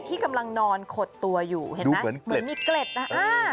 ที่กำลังนอนขดตัวอยู่เห็นไหมเหมือนมีเกล็ดนะอ่า